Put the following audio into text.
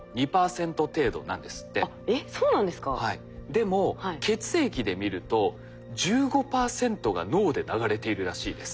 でも血液で見ると１５％が脳で流れているらしいです。